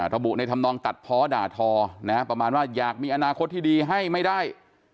ระบุในธรรมนองตัดเพาะด่าทอนะฮะประมาณว่าอยากมีอนาคตที่ดีให้ไม่ได้